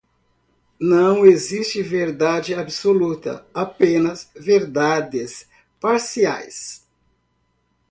Não existe verdade absoluta, apenas verdades parciais.